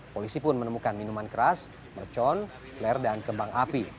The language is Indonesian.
polisi pun menemukan minuman keras mercon flare dan kembang api